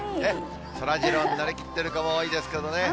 そらジローになりきってる子も多いですけどね。